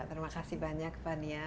terima kasih banyak fania